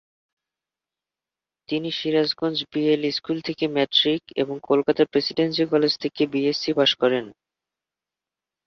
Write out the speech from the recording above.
তিনি Sirajganj BL school থেকে matric এবং কলকাতা প্রেসিডেন্সি কলেজ থেকে বিএসসি পাস করেন।